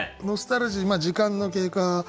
ノスタルジー時間の経過